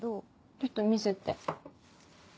ちょっと見せて。